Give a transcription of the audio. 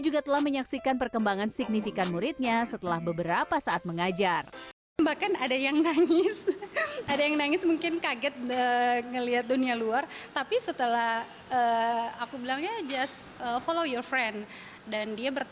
salah satu orang tua murid pun menyatakan bahwa ia memasukkan sang buah hati ke sekolah modeling